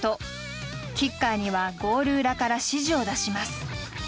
キッカーにはゴール裏から指示を出します。